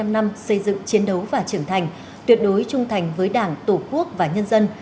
bảy mươi năm năm xây dựng chiến đấu và trưởng thành tuyệt đối trung thành với đảng tổ quốc và nhân dân